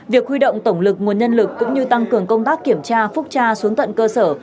việc huy động tổng lực nguồn nhân lực cũng như tăng cường công tác kiểm tra phúc tra xuống tận cơ sở